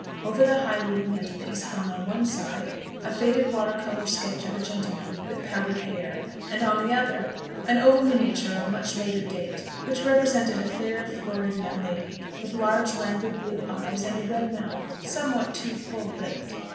Over the high wooden mantelpiece hung, on one side, a faded water colour sketch of a gentleman, with powdered hair; and on the other, an oval miniature of much later date, which represented a fair, florid young lady, with large languid blue eyes, and a red mouth, somewhat too full lipped.